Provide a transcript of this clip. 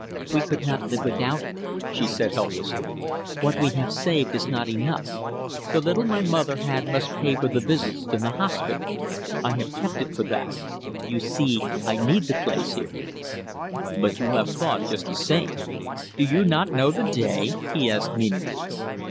"We could not live without it," she said helplessly. "What we have saved is not enough. The little my mother had must pay for the visits to the hospital. I have kept it for that. You see, I need the place here." "But you have thought, just the same. Do you not know the day?" he asked meaningly.